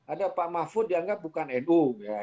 ada pak mahfud dianggap bukan nu